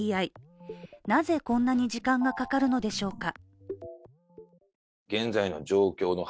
なぜ、こんなに時間がかかるのでしょうか。